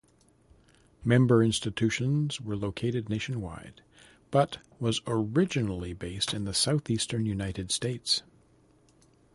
Member institutions were located nationwide, but was originally based in the southeastern United States.